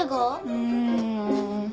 うん。